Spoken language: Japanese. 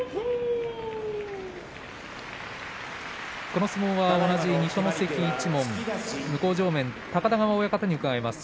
この相撲は二所ノ関一門向正面、高田川親方に聞きます。